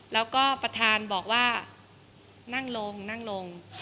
แล้วก็ประธานบอกว่านั่งลง